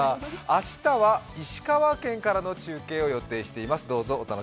明日は石川県からの中継を予定しています。